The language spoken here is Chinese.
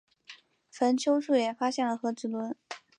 坟丘处也发现了和埴轮。